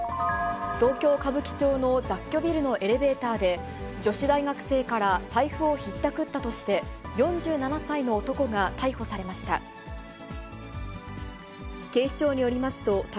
東京・歌舞伎町の雑居ビルのエレベーターで、女子大学生から財布をひったくったとして、４７歳の男が逮捕されました。